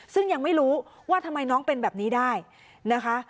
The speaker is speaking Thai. ซึ่งยังไม่รู้ว่าทำไมน้องเป็นแบบนี้ได้นะคะ